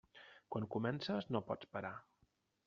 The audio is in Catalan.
Quan comences, no pots parar.